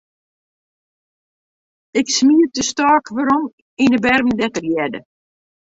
Ik smiet de stôk werom yn 'e berm, dêr't er hearde.